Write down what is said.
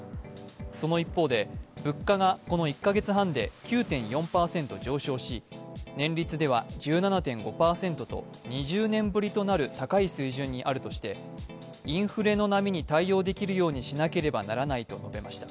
その一方で、物価がこの１カ月半で９．４％上昇し、年率では１７．５％と２０年ぶりとなる高い水準にあるとしてインフレの波に対応できるようにしなければならないと述べました。